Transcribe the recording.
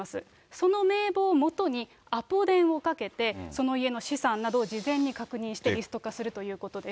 その名簿をもとに、アポ電をかけて、その家の資産などを事前に確認してリスト化するということです。